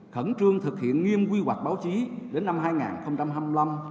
khẩn trương thực hiện nghiêm quy hoạch báo chí đến năm hai nghìn hai mươi năm